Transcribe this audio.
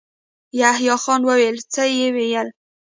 يحيی خان وويل: څه يې ويل؟